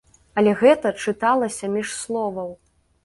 Але гэта чыталася між словаў.